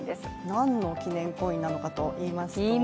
何の記念コインなのかといいますと？